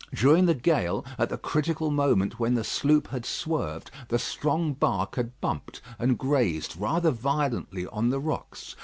During the gale, at the critical moment when the sloop had swerved, the strong bark had bumped and grazed rather violently on the rocks.